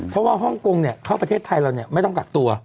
เพราะว่าฮ่องกงเนี่ยเข้าประเทศไทยแล้วเนี่ยไม่ต้องกักตัว